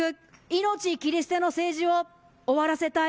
命切り捨ての政治を終わらせたい。